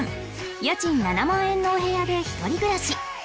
家賃７万円のお部屋で一人暮らし